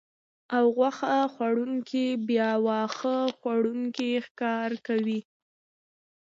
او غوښه خوړونکي بیا واښه خوړونکي ښکار کوي